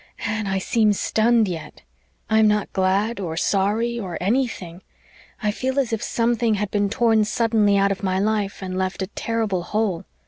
Anne, I seem stunned yet. I'm not glad or sorry or ANYTHING. I feel as if something had been torn suddenly out of my life and left a terrible hole.